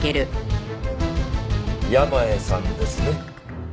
山家さんですね？